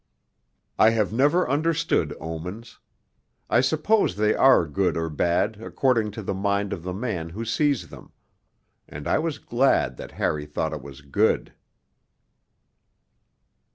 I have never understood omens; I suppose they are good or bad according to the mind of the man who sees them: and I was glad that Harry thought it was good.